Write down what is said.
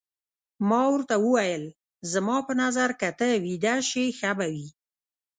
ما ورته وویل: زما په نظر که ته ویده شې ښه به وي.